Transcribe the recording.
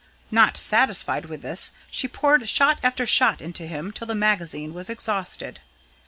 Not satisfied with this, she poured shot after shot into him till the magazine was exhausted.